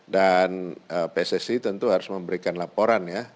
dan pssi tentu harus memberikan laporan ya